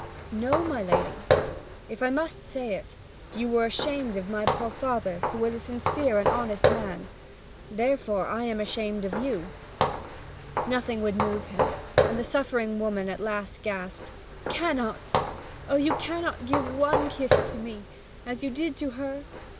'No, my lady. If I must say it, you were ashamed of my poor father, who was a sincere and honest man; therefore, I am ashamed of you.' Nothing would move him; and the suffering woman at last gasped, 'Cannot oh, cannot you give one kiss to me as you did to her?